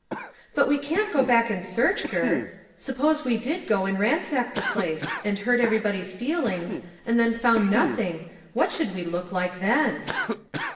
"But we can't go back and search, Gurr. Suppose we did go and ransacked the place, and hurt everybody's feelings, and then found nothing, what should we look like then?"